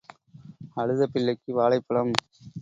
அழுத பிள்ளைக்கு வாழைப்பழம்.